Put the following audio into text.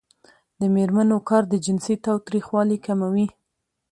د میرمنو کار د جنسي تاوتریخوالي کموي.